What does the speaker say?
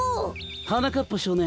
はなかっぱしょうねん